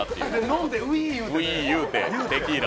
飲んで、うぃー言うてね。